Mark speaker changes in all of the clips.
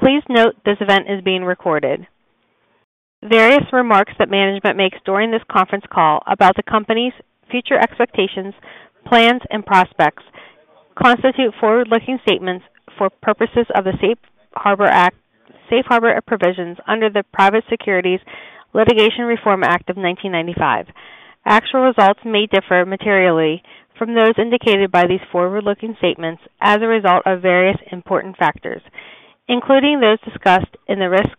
Speaker 1: Please note this event is being recorded. Various remarks that management makes during this conference call about the company's future expectations, plans, and prospects constitute forward-looking statements for purposes of the Safe Harbor Act--Safe Harbor provisions under the Private Securities Litigation Reform Act of 1995. Actual results may differ materially from those indicated by these forward-looking statements as a result of various important factors, including those discussed in the Risk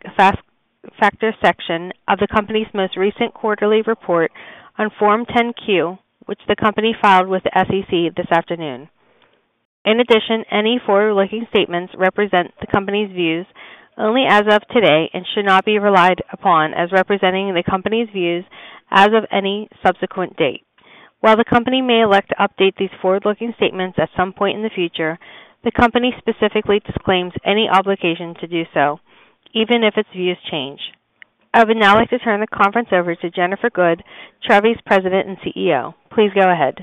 Speaker 1: Factors section of the company's most recent quarterly report on Form 10-Q, which the company filed with the SEC this afternoon. In addition, any forward-looking statements represent the company's views only as of today and should not be relied upon as representing the company's views as of any subsequent date. While the company may elect to update these forward-looking statements at some point in the future, the company specifically disclaims any obligation to do so, even if its views change. I would now like to turn the conference over to Jennifer Good, Trevi's President and CEO. Please go ahead.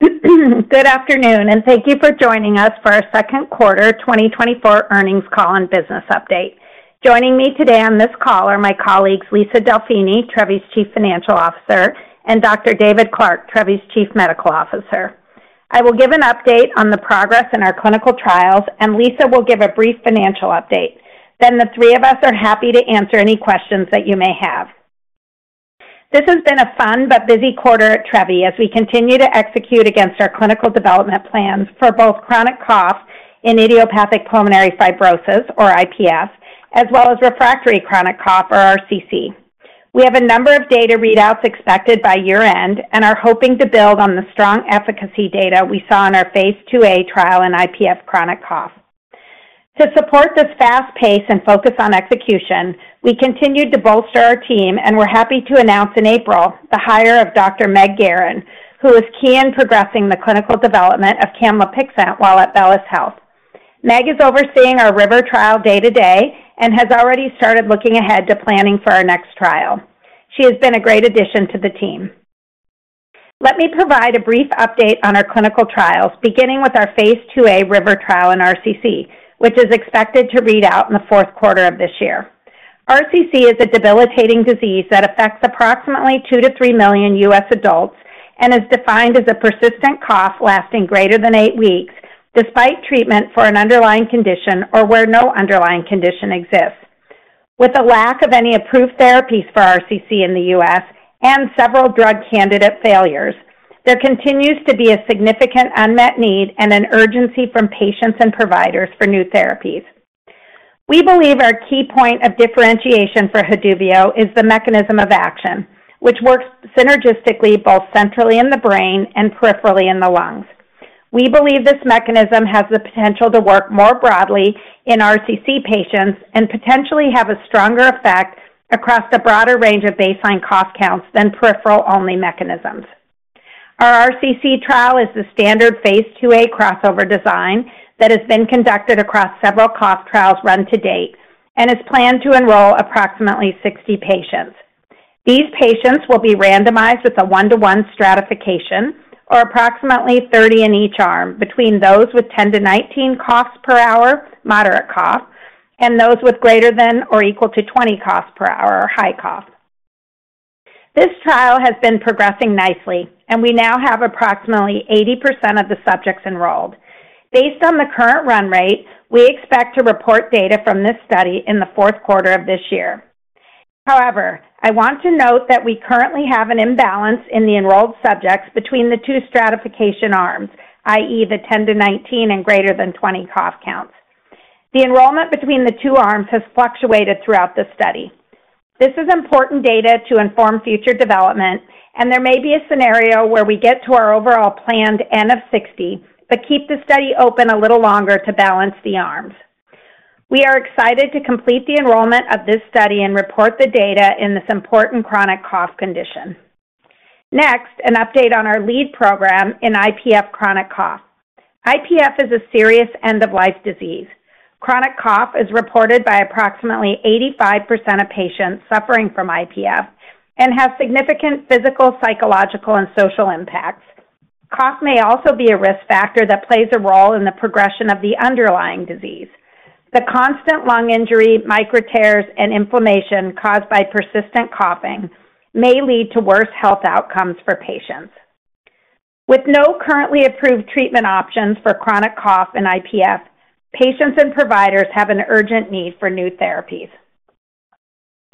Speaker 2: Good afternoon, and thank you for joining us for our second quarter 2024 earnings call and business update. Joining me today on this call are my colleagues, Lisa Delfini, Trevi's Chief Financial Officer, and Dr. David Clark, Trevi's Chief Medical Officer. I will give an update on the progress in our clinical trials, and Lisa will give a brief financial update. Then the three of us are happy to answer any questions that you may have. This has been a fun but busy quarter at Trevi as we continue to execute against our clinical development plans for both chronic cough in idiopathic pulmonary fibrosis, or IPF, as well as refractory chronic cough, or RCC. We have a number of data readouts expected by year-end and are hoping to build on the strong efficacy data we saw in our phase II-A trial in IPF chronic cough. To support this fast pace and focus on execution, we continued to bolster our team and were happy to announce in April the hire of Dr. Meg Garin, who was key in progressing the clinical development of camlipixant while at Bellus Health. Meg is overseeing our RIVER trial day-to-day and has already started looking ahead to planning for our next trial. She has been a great addition to the team. Let me provide a brief update on our clinical trials, beginning with our Phase II-A RIVER trial in RCC, which is expected to read out in the fourth quarter of this year. RCC is a debilitating disease that affects approximately 2-3 million U.S. adults and is defined as a persistent cough lasting greater than eight weeks, despite treatment for an underlying condition or where no underlying condition exists. With the lack of any approved therapies for RCC in the U.S. and several drug candidate failures, there continues to be a significant unmet need and an urgency from patients and providers for new therapies. We believe our key point of differentiation for Haduvio is the mechanism of action, which works synergistically, both centrally in the brain and peripherally in the lungs. We believe this mechanism has the potential to work more broadly in RCC patients and potentially have a stronger effect across a broader range of baseline cough counts than peripheral-only mechanisms. Our RCC trial is the standard phase II-A crossover design that has been conducted across several cough trials run to date and is planned to enroll approximately 60 patients. These patients will be randomized with a one-to-one stratification, or approximately 30 in each arm, between those with 10-19 coughs per hour, moderate cough, and those with greater than or equal to 20 coughs per hour, or high cough. This trial has been progressing nicely, and we now have approximately 80% of the subjects enrolled. Based on the current run rate, we expect to report data from this study in the fourth quarter of this year. However, I want to note that we currently have an imbalance in the enrolled subjects between the two stratification arms, i.e., the 10-19 and greater than 20 cough counts. The enrollment between the two arms has fluctuated throughout the study. This is important data to inform future development, and there may be a scenario where we get to our overall planned N of 60, but keep the study open a little longer to balance the arms. We are excited to complete the enrollment of this study and report the data in this important chronic cough condition. Next, an update on our lead program in IPF chronic cough. IPF is a serious end-of-life disease. Chronic cough is reported by approximately 85% of patients suffering from IPF and has significant physical, psychological, and social impacts. Cough may also be a risk factor that plays a role in the progression of the underlying disease. The constant lung injury, micro tears, and inflammation caused by persistent coughing may lead to worse health outcomes for patients. With no currently approved treatment options for chronic cough and IPF, patients and providers have an urgent need for new therapies.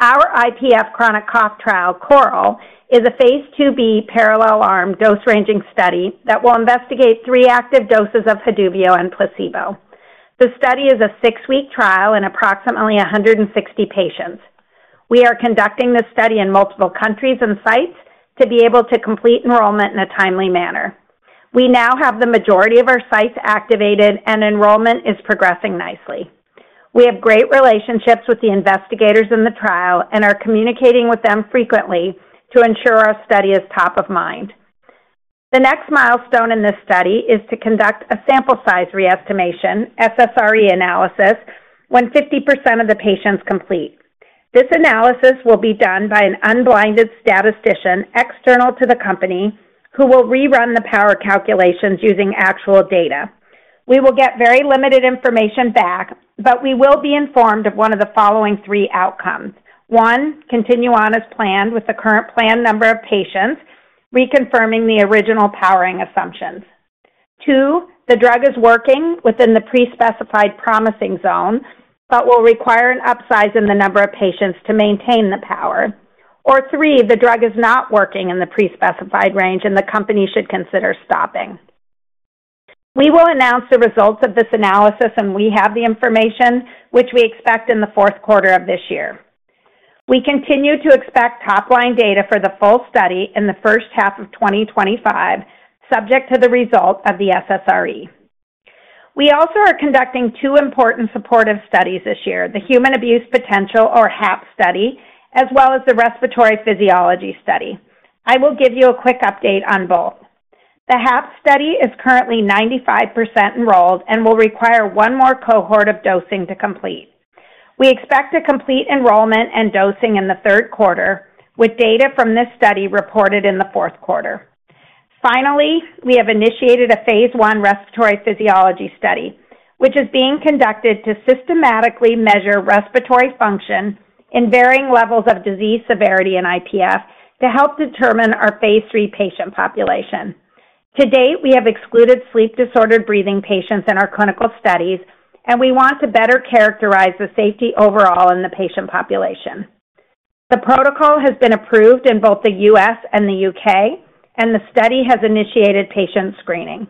Speaker 2: Our IPF chronic cough trial, CORAL, is a phase II-B parallel arm dose-ranging study that will investigate three active doses of Haduvio and placebo. The study is a six-week trial in approximately 160 patients. We are conducting this study in multiple countries and sites to be able to complete enrollment in a timely manner. We now have the majority of our sites activated and enrollment is progressing nicely. We have great relationships with the investigators in the trial and are communicating with them frequently to ensure our study is top of mind. The next milestone in this study is to conduct a sample size re-estimation, SSRE analysis, when 50% of the patients complete. This analysis will be done by an unblinded statistician external to the company, who will rerun the power calculations using actual data. We will get very limited information back, but we will be informed of one of the following three outcomes. One, continue on as planned with the current planned number of patients, reconfirming the original powering assumptions. Two, the drug is working within the pre-specified promising zone, but will require an upsize in the number of patients to maintain the power. Or three, the drug is not working in the pre-specified range and the company should consider stopping. We will announce the results of this analysis, and we have the information which we expect in the fourth quarter of this year. We continue to expect top line data for the full study in the first half of 2025, subject to the results of the SSRE. We also are conducting two important supportive studies this year, the Human Abuse Potential, or HAP study, as well as the Respiratory Physiology Study. I will give you a quick update on both. The HAP study is currently 95% enrolled and will require one more cohort of dosing to complete. We expect to complete enrollment and dosing in the third quarter, with data from this study reported in the fourth quarter. Finally, we have initiated a phase I respiratory physiology study, which is being conducted to systematically measure respiratory function in varying levels of disease severity in IPF to help determine our phase III patient population. To date, we have excluded sleep-disordered breathing patients in our clinical studies, and we want to better characterize the safety overall in the patient population. The protocol has been approved in both the U.S. and the U.K., and the study has initiated patient screening.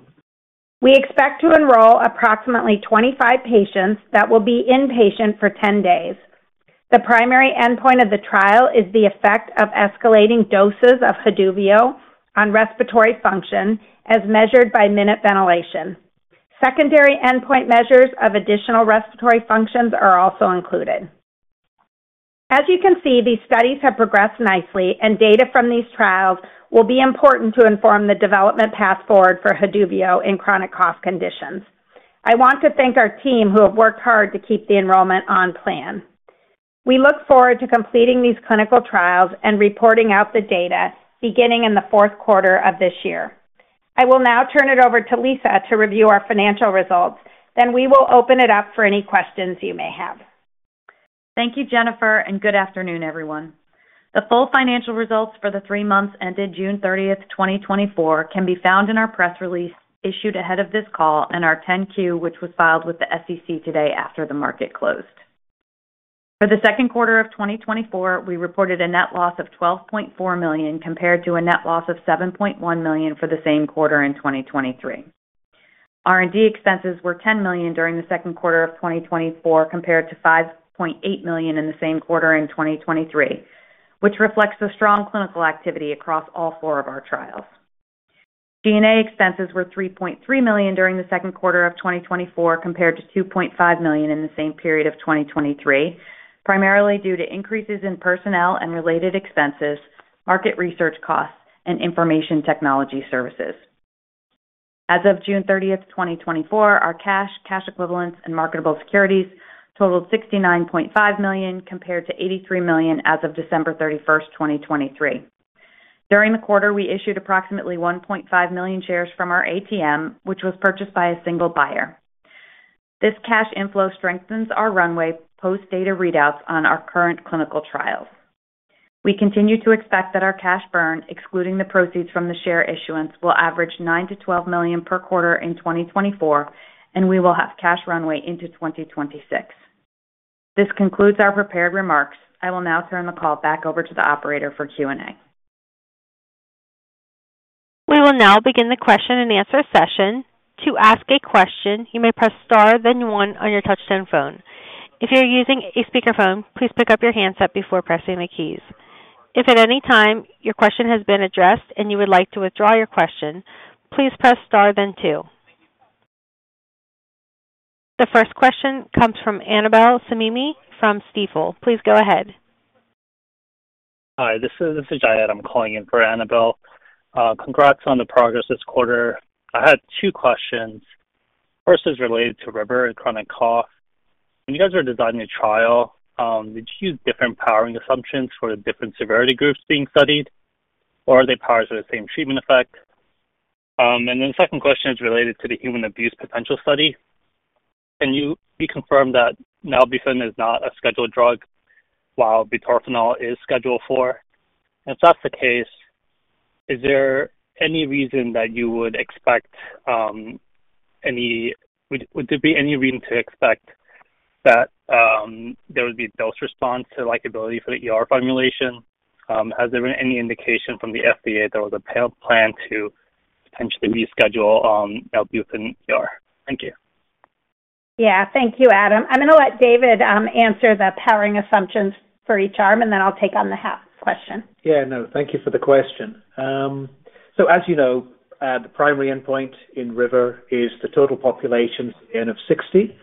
Speaker 2: We expect to enroll approximately 25 patients that will be inpatient for 10 days. The primary endpoint of the trial is the effect of escalating doses of Haduvio on respiratory function, as measured by minute ventilation. Secondary endpoint measures of additional respiratory functions are also included. As you can see, these studies have progressed nicely, and data from these trials will be important to inform the development path forward for Haduvio in chronic cough conditions. I want to thank our team who have worked hard to keep the enrollment on plan. We look forward to completing these clinical trials and reporting out the data beginning in the fourth quarter of this year. I will now turn it over to Lisa to review our financial results. We will open it up for any questions you may have.
Speaker 3: Thank you, Jennifer, and good afternoon, everyone. The full financial results for the three months ended June 30, 2024, can be found in our press release issued ahead of this call and our 10-Q, which was filed with the SEC today after the market closed. For the second quarter of 2024, we reported a net loss of $12.4 million, compared to a net loss of $7.1 million for the same quarter in 2023. R&D expenses were $10 million during the second quarter of 2024, compared to $5.8 million in the same quarter in 2023, which reflects the strong clinical activity across all four of our trials. G&A expenses were $3.3 million during the second quarter of 2024, compared to $2.5 million in the same period of 2023, primarily due to increases in personnel and related expenses, market research costs and information technology services. As of June 30, 2024, our cash, cash equivalents and marketable securities totaled $69.5 million, compared to $83 million as of December 31, 2023. During the quarter, we issued approximately 1.5 million shares from our ATM, which was purchased by a single buyer. This cash inflow strengthens our runway post-data readouts on our current clinical trials. We continue to expect that our cash burn, excluding the proceeds from the share issuance, will average $9 million-$12 million per quarter in 2024, and we will have cash runway into 2026. This concludes our prepared remarks. I will now turn the call back over to the operator for Q&A.
Speaker 1: We will now begin the question and answer session. To ask a question, you may press star, then one on your touchtone phone. If you're using a speakerphone, please pick up your handset before pressing the keys. If at any time your question has been addressed and you would like to withdraw your question, please press star then two. The first question comes from Annabel Samimy from Stifel. Please go ahead.
Speaker 4: Hi, this is Adam. I'm calling in for Annabel. Congrats on the progress this quarter. I had two questions. First is related to RIVER and chronic cough. When you guys are designing a trial, did you use different powering assumptions for the different severity groups being studied, or are they powers of the same treatment effect? And then the second question is related to the Human Abuse Potential study. Can you reconfirm that nalbuphine is not a scheduled drug while butorphanol is Schedule IV? And if that's the case, is there any reason that you would expect that there would be a dose response to liability for the ER formulation? Has there been any indication from the FDA there was a planned plan to potentially reschedule nalbuphine ER? Thank you.
Speaker 2: Yeah. Thank you, Adam. I'm gonna let David answer the powering assumptions for each arm, and then I'll take on the HAP question.
Speaker 5: Yeah, no, thank you for the question. So as you know, the primary endpoint in RIVER is the total population at the end of 60.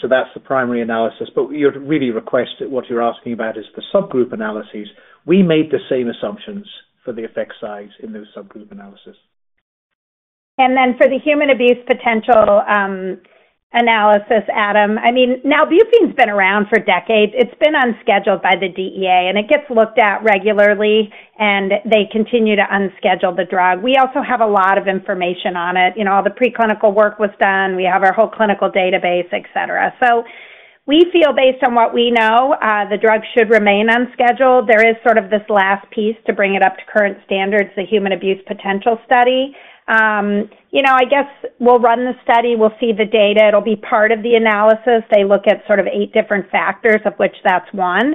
Speaker 5: So that's the primary analysis, but you'd really request that what you're asking about is the subgroup analyses. We made the same assumptions for the effect size in those subgroup analyses.
Speaker 2: Then for the human abuse potential analysis, Adam, I mean, nalbuphine's been around for decades. It's been unscheduled by the DEA, and it gets looked at regularly, and they continue to unschedule the drug. We also have a lot of information on it. You know, all the preclinical work was done. We have our whole clinical database, et cetera. So we feel based on what we know, the drug should remain unscheduled. There is sort of this last piece to bring it up to current standards, the human abuse potential study. You know, I guess we'll run the study, we'll see the data. It'll be part of the analysis. They look at sort of eight different factors, of which that's one.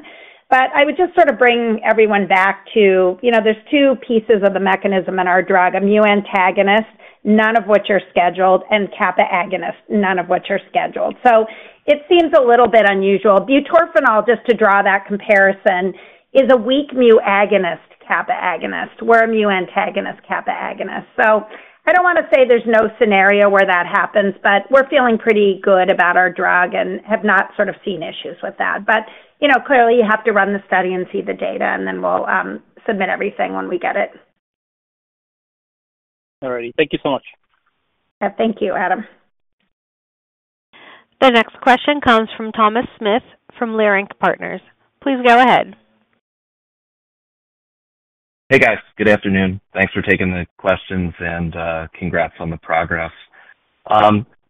Speaker 2: But I would just sort of bring everyone back to, you know, there's two pieces of the mechanism in our drug, a mu antagonist, none of which are scheduled, and kappa agonist, none of which are scheduled. So it seems a little bit unusual. Butorphanol, just to draw that comparison, is a weak mu agonist, kappa agonist. We're a mu antagonist, kappa agonist. So I don't wanna say there's no scenario where that happens, but we're feeling pretty good about our drug and have not sort of seen issues with that. But, you know, clearly, you have to run the study and see the data, and then we'll submit everything when we get it.
Speaker 4: All right. Thank you so much.
Speaker 2: Yeah, thank you, Adam.
Speaker 1: The next question comes from Thomas Smith from Leerink Partners. Please go ahead.
Speaker 6: Hey, guys. Good afternoon. Thanks for taking the questions, and congrats on the progress.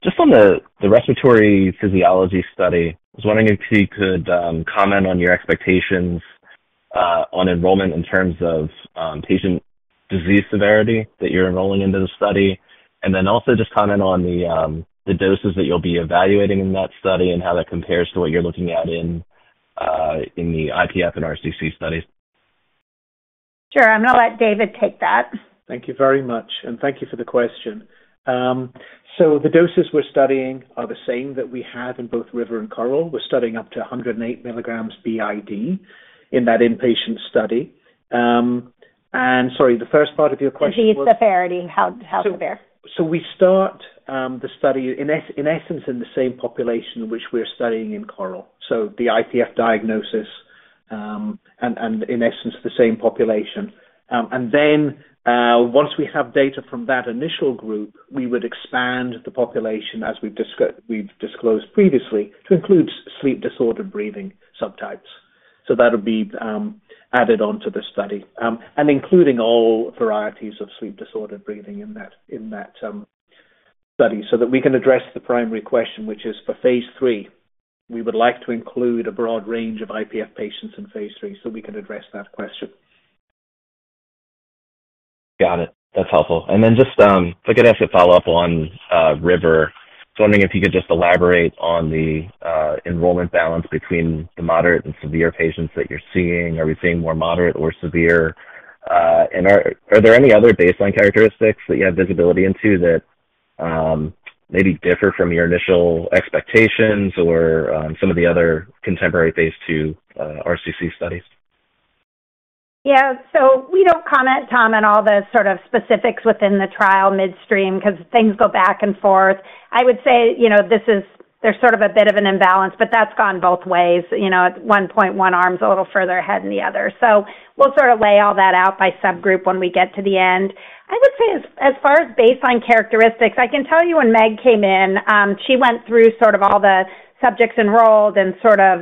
Speaker 6: Just on the respiratory physiology study, I was wondering if you could comment on your expectations on enrollment in terms of patient disease severity that you're enrolling into the study. And then also just comment on the doses that you'll be evaluating in that study and how that compares to what you're looking at in the IPF and RCC studies.
Speaker 2: Sure. I'm gonna let David take that.
Speaker 5: Thank you very much, and thank you for the question. So the doses we're studying are the same that we have in both RIVER and CORAL. We're studying up to 108 mg BID in that inpatient study. And sorry, the first part of your question was?
Speaker 2: Disease severity, how severe.
Speaker 5: So we start the study in essence in the same population in which we're studying in CORAL, so the IPF diagnosis, and in essence the same population. And then once we have data from that initial group, we would expand the population, as we've disclosed previously, to include sleep-disordered breathing subtypes. So that'll be added on to the study, and including all varieties of sleep-disordered breathing in that study so that we can address the primary question, which is for phase III. We would like to include a broad range of IPF patients in phase III, so we can address that question.
Speaker 6: Got it. That's helpful. And then just, if I could ask a follow-up on RIVER. Just wondering if you could just elaborate on the enrollment balance between the moderate and severe patients that you're seeing. Are we seeing more moderate or severe? And are there any other baseline characteristics that you have visibility into that maybe differ from your initial expectations or some of the other contemporary phase II RCC studies?
Speaker 2: Yeah. So we don't comment, Tom, on all the sort of specifics within the trial midstream, 'cause things go back and forth. I would say, you know, this is. There's sort of a bit of an imbalance, but that's gone both ways. You know, at one point, one arm's a little further ahead than the other. So we'll sort of lay all that out by subgroup when we get to the end. I would say as, as far as baseline characteristics, I can tell you when Meg came in, she went through sort of all the subjects enrolled and sort of,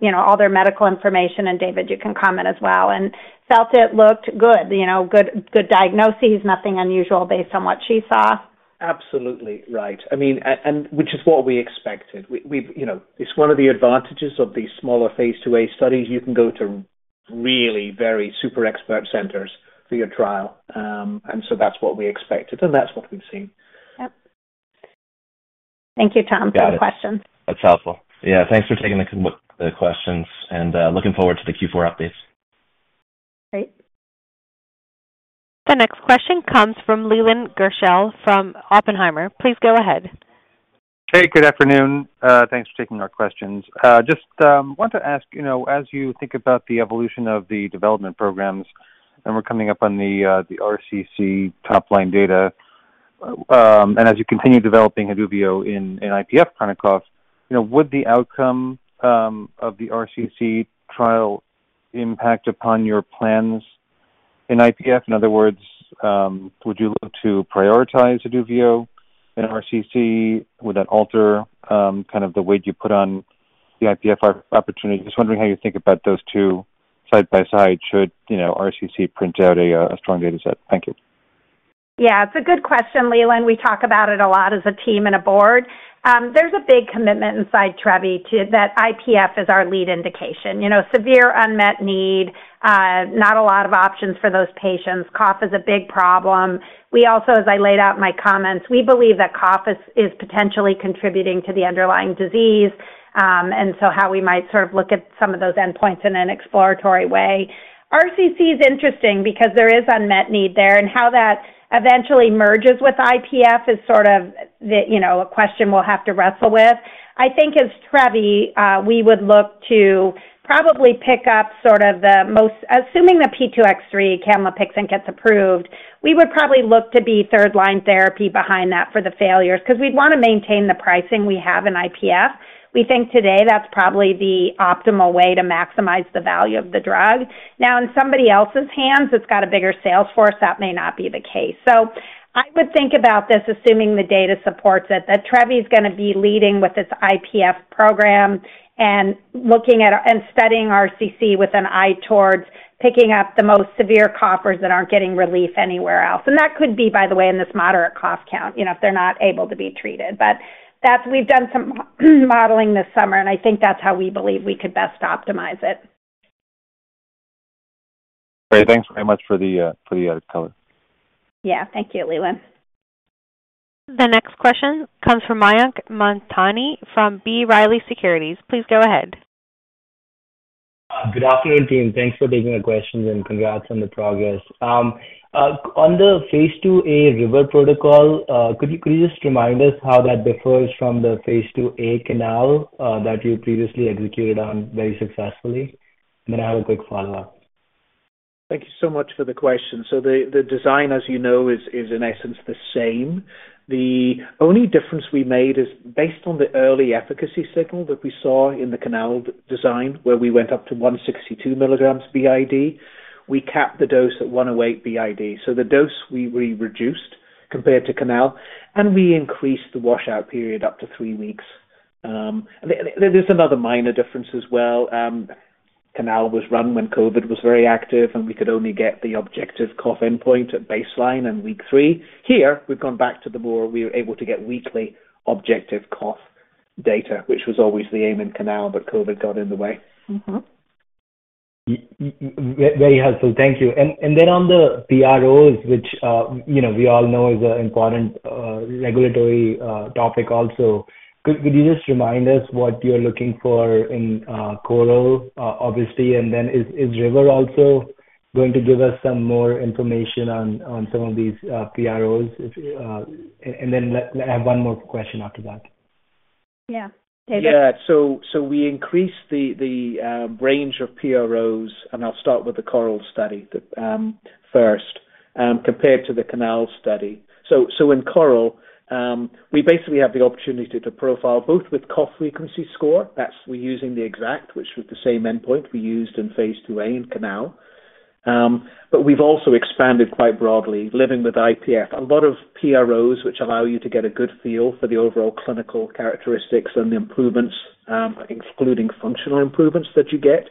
Speaker 2: you know, all their medical information, and David, you can comment as well, and felt it looked good. You know, good, good diagnoses, nothing unusual based on what she saw.
Speaker 5: Absolutely right. I mean, and which is what we expected. We’ve. You know, it’s one of the advantages of these smaller phase II-A studies. You can go to really very super expert centers for your trial. And so that’s what we expected, and that’s what we’ve seen.
Speaker 2: Yep. Thank you, Tom, for the questions.
Speaker 6: Got it. That's helpful. Yeah, thanks for taking the questions, and looking forward to the Q4 update.
Speaker 2: Great.
Speaker 1: The next question comes from Leland Gerschel from Oppenheimer. Please go ahead.
Speaker 7: Hey, good afternoon. Thanks for taking our questions. Just wanted to ask, you know, as you think about the evolution of the development programs, and we're coming up on the RCC top-line data, and as you continue developing Haduvio in IPF chronic cough, you know, would the outcome of the RCC trial impact upon your plans in IPF? In other words, would you look to prioritize Haduvio in RCC? Would that alter kind of the weight you put on the IPF opportunity? Just wondering how you think about those two side by side, should, you know, RCC print out a strong data set. Thank you.
Speaker 2: Yeah, it's a good question, Leland. We talk about it a lot as a team and a board. There's a big commitment inside Trevi to that IPF is our lead indication. You know, severe unmet need, not a lot of options for those patients. Cough is a big problem. We also, as I laid out in my comments, we believe that cough is potentially contributing to the underlying disease, and so how we might sort of look at some of those endpoints in an exploratory way. RCC is interesting because there is unmet need there, and how that eventually merges with IPF is sort of the, you know, a question we'll have to wrestle with. I think as Trevi, we would look to probably pick up sort of the most. Assuming the P2X3 camlipixant gets approved, we would probably look to be third-line therapy behind that for the failures, because we'd want to maintain the pricing we have in IPF. We think today that's probably the optimal way to maximize the value of the drug. Now, in somebody else's hands, that's got a bigger sales force, that may not be the case. So I would think about this, assuming the data supports it, that Trevi is gonna be leading with its IPF program and looking at, and studying RCC with an eye towards picking up the most severe coughers that aren't getting relief anywhere else. And that could be, by the way, in this moderate cough count, you know, if they're not able to be treated. But that's what we've done some modeling this summer, and I think that's how we believe we could best optimize it.
Speaker 7: Great. Thanks very much for the color.
Speaker 2: Yeah. Thank you, Leland.
Speaker 1: The next question comes from Mayank Mamtani from B. Riley Securities. Please go ahead.
Speaker 8: Good afternoon, team. Thanks for taking the questions, and congrats on the progress. On the phase II-A RIVER protocol, could you, could you just remind us how that differs from the phase II-A CORAL, that you previously executed on very successfully? And then I have a quick follow-up.
Speaker 5: Thank you so much for the question. So the design, as you know, is in essence the same. The only difference we made is based on the early efficacy signal that we saw in the CORAL design, where we went up to 162 mg BID. We capped the dose at 108 BID, so the dose we reduced compared to CORAL, and we increased the washout period up to three weeks. And there's another minor difference as well. CORAL was run when COVID was very active, and we could only get the objective cough endpoint at baseline in week three. Here, we've gone back to the way we were able to get weekly objective cough data, which was always the aim in CORAL, but COVID got in the way.
Speaker 2: Mm-hmm.
Speaker 8: Yeah, very helpful. Thank you. And then on the PROs, which, you know, we all know is an important regulatory topic also. Could you just remind us what you're looking for in CORAL, obviously, and then is RIVER also going to give us some more information on some of these PROs? And then I have one more question after that.
Speaker 2: Yeah.
Speaker 5: Yeah. So we increased the range of PROs, and I'll start with the CORAL study first, compared to the RIVER study. So in CORAL, we basically have the opportunity to profile both with cough frequency score. That's what we're using, VitaloJAK, which was the same endpoint we used in phase II-A in RIVER. But we've also expanded quite broadly, Living with IPF. A lot of PROs, which allow you to get a good feel for the overall clinical characteristics and the improvements, excluding functional improvements that you get.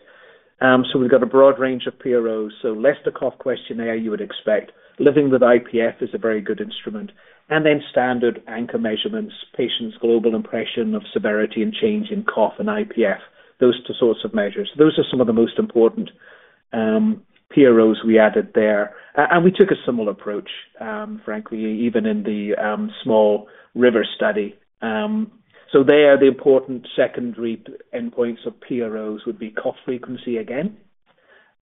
Speaker 5: So we've got a broad range of PROs, such as the Leicester Cough Questionnaire you would expect. Living with IPF is a very good instrument, and then standard anchor measurements, patients' global impression of severity and change in cough and IPF, those two sorts of measures. Those are some of the most important PROs we added there. And we took a similar approach, frankly, even in the small RIVER study. So there, the important secondary endpoints of PROs would be cough frequency again,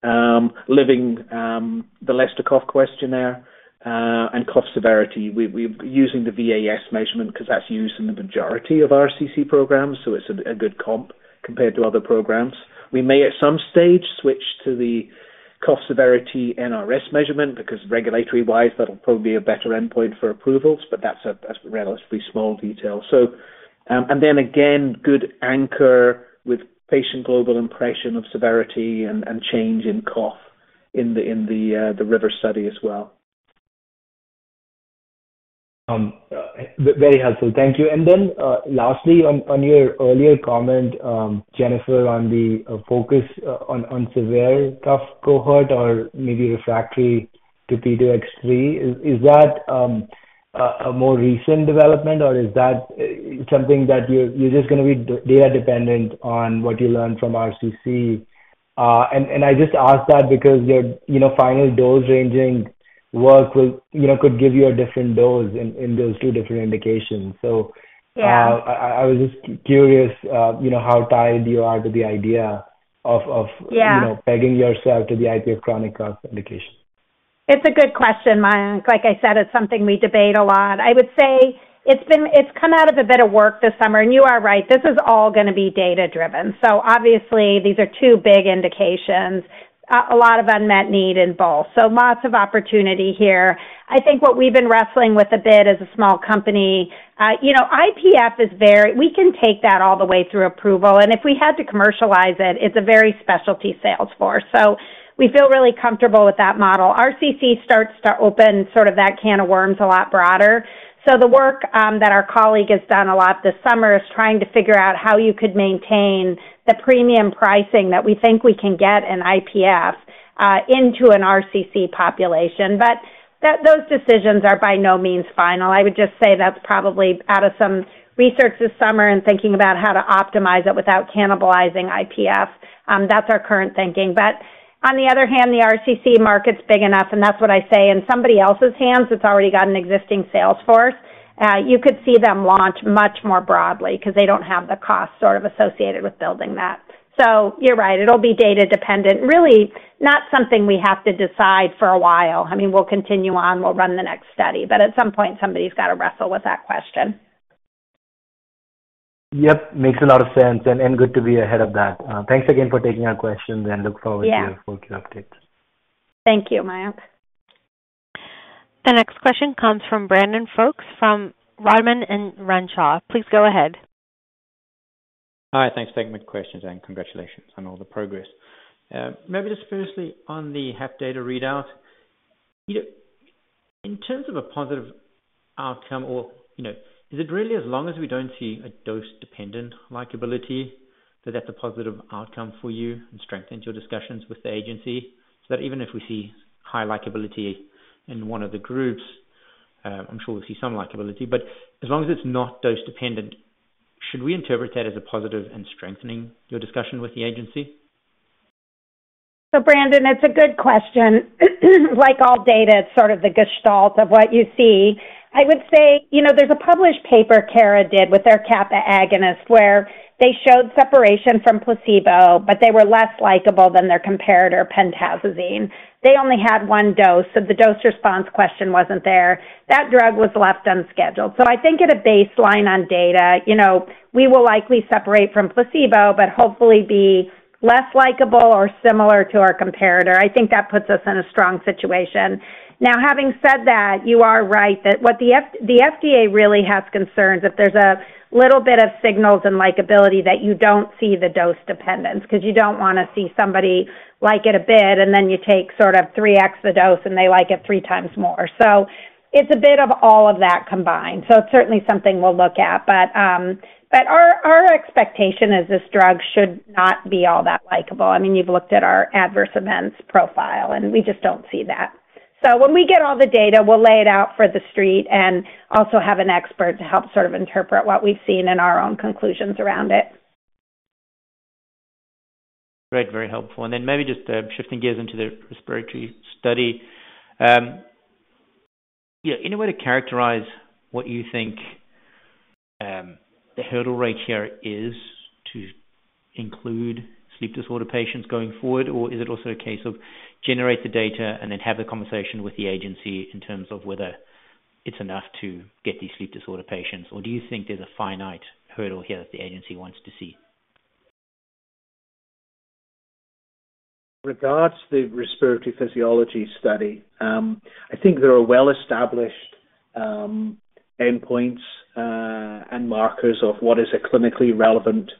Speaker 5: LCQ, the Leicester Cough Questionnaire, and cough severity. We're using the VAS measurement because that's used in the majority of RCC programs, so it's a good comp compared to other programs. We may, at some stage, switch to the cough severity NRS measurement, because regulatory-wise, that'll probably be a better endpoint for approvals, but that's a relatively small detail. So, and then again, good anchor with patient global impression of severity and change in cough in the RIVER study as well.
Speaker 8: Very helpful. Thank you. And then, lastly, on your earlier comment, Jennifer, on the focus on severe cough cohort or maybe refractory to P2X3, is that a more recent development, or is that something that you're just gonna be data dependent on what you learned from RCC? And I just asked that because your, you know, final dose-ranging work will, you know, could give you a different dose in those two different indications. So-
Speaker 2: Yeah.
Speaker 8: I was just curious, you know, how tied you are to the idea of, of-
Speaker 2: Yeah
Speaker 8: you know, pegging yourself to the IPF chronic cough indication.
Speaker 2: It's a good question, Mayank. Like I said, it's something we debate a lot. I would say it's come out of a bit of work this summer, and you are right. This is all gonna be data-driven. So obviously, these are two big indications. A lot of unmet need in both, so lots of opportunity here. I think what we've been wrestling with a bit as a small company, you know, IPF is very. We can take that all the way through approval, and if we had to commercialize it, it's a very specialty sales force, so we feel really comfortable with that model. RCC starts to open sort of that can of worms a lot broader. So the work that our colleague has done a lot this summer is trying to figure out how you could maintain the premium pricing that we think we can get in IPF into an RCC population. But that, those decisions are by no means final. I would just say that's probably out of some research this summer and thinking about how to optimize it without cannibalizing IPF. That's our current thinking. But on the other hand, the RCC market's big enough, and that's what I say. In somebody else's hands, it's already got an existing sales force. You could see them launch much more broadly because they don't have the cost sort of associated with building that. So you're right. It'll be data dependent. Really, not something we have to decide for a while. I mean, we'll continue on, we'll run the next study, but at some point, somebody's got to wrestle with that question.
Speaker 8: Yep. Makes a lot of sense, and good to be ahead of that. Thanks again for taking our questions and look forward-
Speaker 2: Yeah.
Speaker 8: -to your full update.
Speaker 2: Thank you, Mayank.
Speaker 1: The next question comes from Brandon Folkes from Rodman & Renshaw. Please go ahead.
Speaker 9: Hi. Thanks for taking my questions, and congratulations on all the progress. Maybe just firstly, on the HAP data readout, you know, in terms of a positive outcome or, you know, is it really as long as we don't see a dose-dependent likability, that that's a positive outcome for you and strengthens your discussions with the agency? So that even if we see high likability in one of the groups, I'm sure we'll see some likability, but as long as it's not dose dependent, should we interpret that as a positive in strengthening your discussion with the agency?
Speaker 2: So, Brandon, it's a good question. Like all data, it's sort of the gestalt of what you see. I would say, you know, there's a published paper Cara did with their Kappa agonist, where they showed separation from placebo, but they were less likable than their comparator pentazocine. They only had one dose, so the dose response question wasn't there. That drug was left unscheduled. So I think at a baseline on data, you know, we will likely separate from placebo, but hopefully be less likable or similar to our comparator. I think that puts us in a strong situation. Now, having said that, you are right that what the F-- the FDA really has concerns if there's a little bit of signals and likability that you don't see the dose dependence. 'Cause you don't wanna see somebody like it a bit, and then you take sort of three x a dose, and they like it three times more. So it's a bit of all of that combined. So it's certainly something we'll look at. But our expectation is this drug should not be all that likable. I mean, you've looked at our adverse events profile, and we just don't see that. So when we get all the data, we'll lay it out for the street and also have an expert to help sort of interpret what we've seen and our own conclusions around it.
Speaker 9: Great. Very helpful. And then maybe just, shifting gears into the respiratory study. Yeah, any way to characterize what you think, the hurdle rate here is to include sleep disorder patients going forward? Or is it also a case of generate the data and then have the conversation with the agency in terms of whether it's enough to get these sleep disorder patients, or do you think there's a finite hurdle here that the agency wants to see?
Speaker 5: Regards to the respiratory physiology study, I think there are well-established endpoints and markers of what is a clinically relevant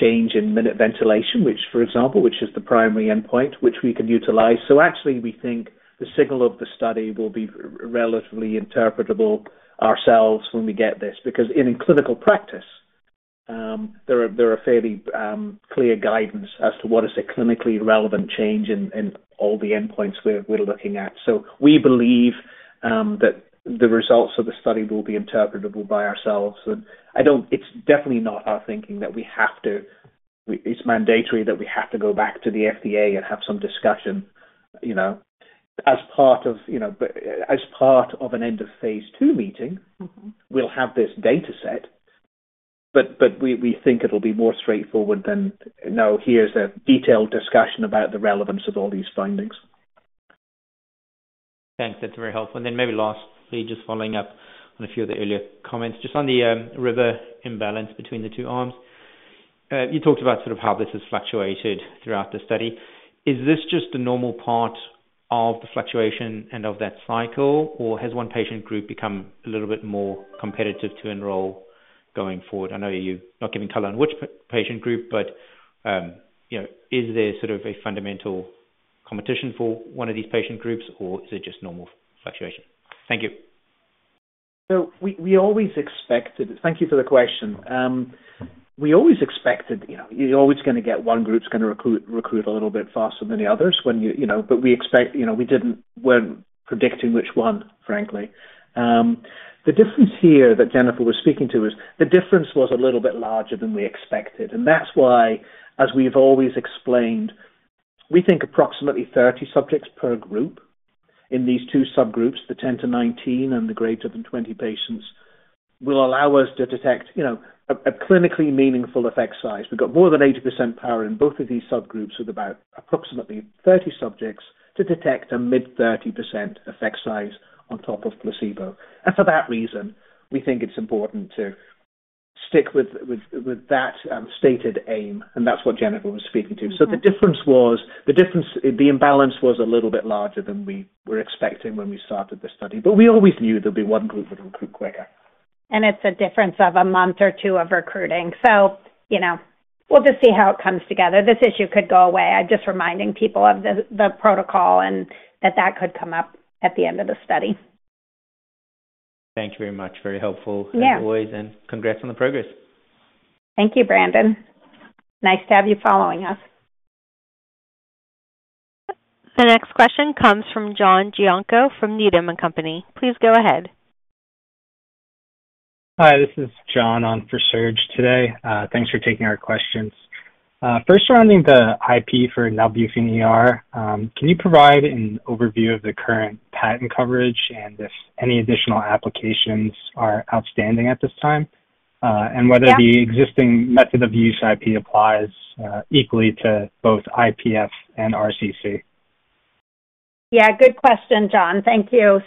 Speaker 5: change in minute ventilation, which, for example, which is the primary endpoint which we can utilize. So actually, we think the signal of the study will be relatively interpretable ourselves when we get this, because in clinical practice, there are fairly clear guidance as to what is a clinically relevant change in all the endpoints we're looking at. So we believe that the results of the study will be interpretable by ourselves, and I don't. It's definitely not our thinking that we have to, it's mandatory that we have to go back to the FDA and have some discussion, you know, as part of, you know, as part of an end of phase II meeting.
Speaker 2: Mm-hmm.
Speaker 5: We'll have this data set, but we think it'll be more straightforward than, "Now, here's a detailed discussion about the relevance of all these findings."
Speaker 9: Thanks. That's very helpful. And then maybe lastly, just following up on a few of the earlier comments, just on the RIVER imbalance between the two arms. You talked about sort of how this has fluctuated throughout the study. Is this just a normal part of the fluctuation and of that cycle, or has one patient group become a little bit more competitive to enroll going forward? I know you're not giving color on which patient group, but, you know, is there sort of a fundamental competition for one of these patient groups, or is it just normal fluctuation? Thank you.
Speaker 5: So we always expected. Thank you for the question. We always expected, you know, you're always gonna get one group is gonna recruit a little bit faster than the others when you. You know, but we expect, you know, we weren't predicting which one, frankly. The difference here that Jennifer was speaking to is, the difference was a little bit larger than we expected, and that's why, as we've always explained, we think approximately 30 subjects per group in these two subgroups, the 10-19 and the greater than 20 patients, will allow us to detect, you know, a clinically meaningful effect size. We've got more than 80% power in both of these subgroups, with about approximately 30 subjects to detect a mid-30% effect size on top of placebo. For that reason, we think it's important to stick with that stated aim, and that's what Jennifer was speaking to.
Speaker 2: Mm-hmm.
Speaker 5: The difference was, the imbalance was a little bit larger than we were expecting when we started the study, but we always knew there'd be one group that would recruit quicker.
Speaker 2: It's a difference of a month or two of recruiting. So, you know, we'll just see how it comes together. This issue could go away. I'm just reminding people of the protocol and that could come up at the end of the study.
Speaker 9: Thank you very much. Very helpful-
Speaker 2: Yeah.
Speaker 9: As always, and congrats on the progress.
Speaker 2: Thank you, Brandon. Nice to have you following us.
Speaker 1: The next question comes from John Gianco, from Needham & Company. Please go ahead.
Speaker 10: Hi, this is John on for Serge today. Thanks for taking our questions. First, surrounding the IP for Nalbuphine ER, can you provide an overview of the current patent coverage and if any additional applications are outstanding at this time? And whether-
Speaker 2: Yeah
Speaker 10: the existing method of use IP applies equally to both IPF and RCC.
Speaker 2: Yeah, good question, John. Thank you.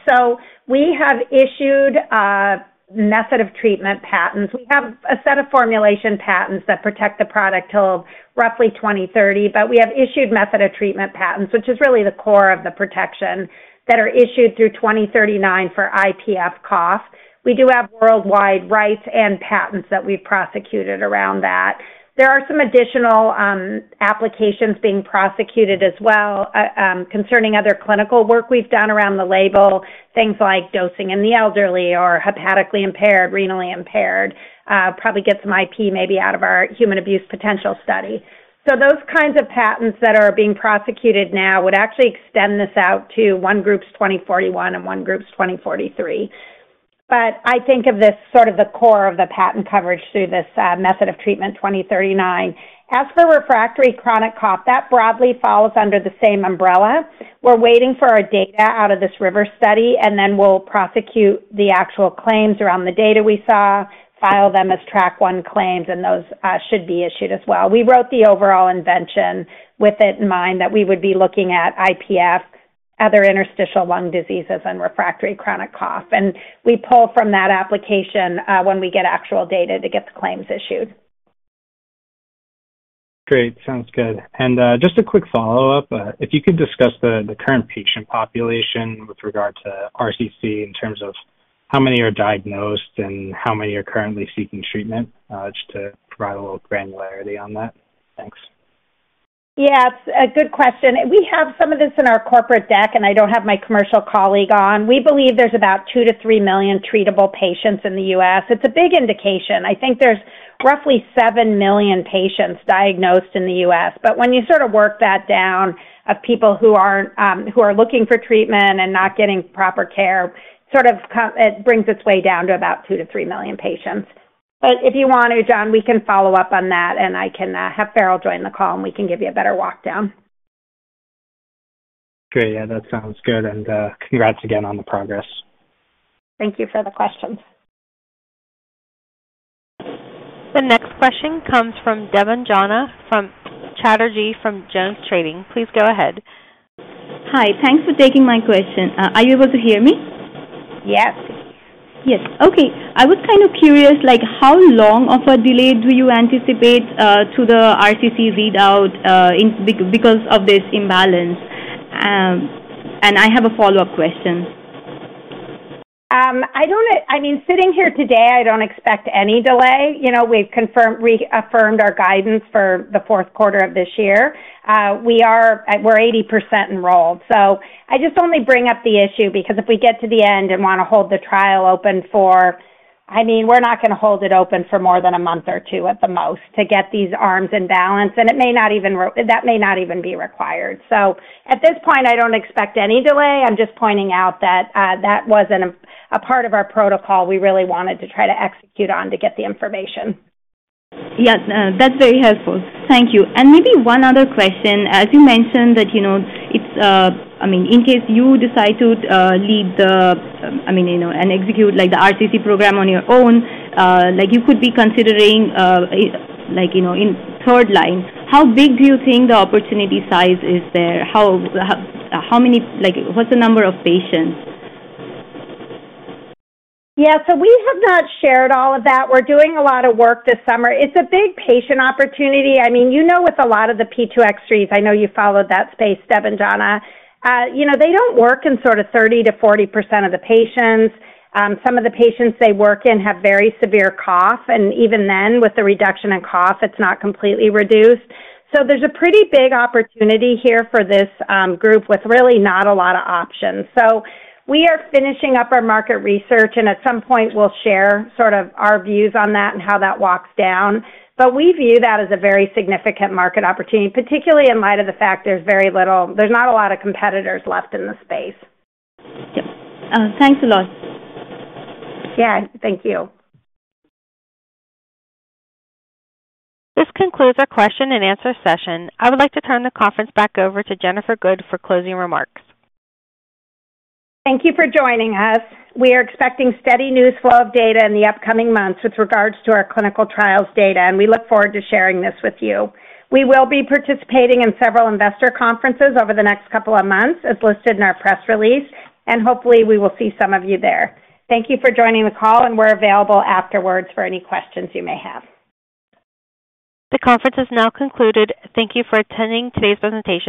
Speaker 2: We have issued a method of treatment patents. We have a set of formulation patents that protect the product till roughly 2030, but we have issued method of treatment patents, which is really the core of the protection, that are issued through 2039 for IPF cough. We do have worldwide rights and patents that we've prosecuted around that. There are some additional applications being prosecuted as well, concerning other clinical work we've done around the label. Things like dosing in the elderly or hepatically impaired, renally impaired, probably get some IP, maybe out of our Human Abuse Potential study. So those kinds of patents that are being prosecuted now would actually extend this out to 2041 and 2043. I think of this sort of the core of the patent coverage through this, method of treatment, 2039. As for refractory chronic cough, that broadly falls under the same umbrella. We're waiting for our data out of this RIVER study, and then we'll prosecute the actual claims around the data we saw, file them as Track One claims, and those should be issued as well. We wrote the overall invention with it in mind, that we would be looking at IPF, other interstitial lung diseases and refractory chronic cough. We pull from that application, when we get actual data to get the claims issued.
Speaker 10: Great. Sounds good. And just a quick follow-up. If you could discuss the current patient population with regard to RCC, in terms of how many are diagnosed and how many are currently seeking treatment, just to provide a little granularity on that. Thanks.
Speaker 2: Yeah, it's a good question. We have some of this in our corporate deck, and I don't have my commercial colleague on. We believe there's about 2-3 million treatable patients in the U.S. It's a big indication. I think there's roughly 7 million patients diagnosed in the U.S., but when you sort of work that down of people who aren't, who are looking for treatment and not getting proper care, it brings its way down to about 2-3 million patients. But if you want to, John, we can follow up on that, and I can have Farrell join the call, and we can give you a better walkdown.
Speaker 10: Great. Yeah, that sounds good. Congrats again on the progress.
Speaker 2: Thank you for the question.
Speaker 1: The next question comes from Debanjana Chatterjee from JonesTrading. Please go ahead.
Speaker 11: Hi. Thanks for taking my question. Are you able to hear me?
Speaker 2: Yes.
Speaker 11: Yes. Okay. I was kind of curious, like, how long of a delay do you anticipate to the RTC readout because of this imbalance? And I have a follow-up question.
Speaker 2: I mean, sitting here today, I don't expect any delay. You know, we've confirmed, reaffirmed our guidance for the fourth quarter of this year. We're 80% enrolled. So I just only bring up the issue, because if we get to the end and want to hold the trial open for... I mean, we're not gonna hold it open for more than a month or two at the most to get these arms in balance, and it may not even, that may not even be required. So at this point, I don't expect any delay. I'm just pointing out that, that wasn't a part of our protocol we really wanted to try to execute on to get the information.
Speaker 11: Yes, that's very helpful. Thank you. And maybe one other question. As you mentioned, that, you know, it's, I mean, in case you decide to, lead the, I mean, you know, and execute, like, the RTC program on your own, like, you could be considering, like, you know, in third line, how big do you think the opportunity size is there? How many, like, what's the number of patients?
Speaker 2: Yeah, so we have not shared all of that. We're doing a lot of work this summer. It's a big patient opportunity. I mean, you know, with a lot of the P2X3, I know you followed that space, Debanjana. You know, they don't work in sort of 30%-40% of the patients. Some of the patients they work in have very severe cough, and even then, with the reduction in cough, it's not completely reduced. So there's a pretty big opportunity here for this group with really not a lot of options. So we are finishing up our market research, and at some point, we'll share sort of our views on that and how that walks down. We view that as a very significant market opportunity, particularly in light of the fact there's not a lot of competitors left in the space.
Speaker 11: Yep. Thanks a lot.
Speaker 2: Yeah, thank you.
Speaker 1: This concludes our question and answer session. I would like to turn the conference back over to Jennifer Good for closing remarks.
Speaker 2: Thank you for joining us. We are expecting steady news flow of data in the upcoming months with regards to our clinical trials data, and we look forward to sharing this with you. We will be participating in several investor conferences over the next couple of months, as listed in our press release, and hopefully, we will see some of you there. Thank you for joining the call, and we're available afterwards for any questions you may have.
Speaker 1: The conference has now concluded. Thank you for attending today's presentation.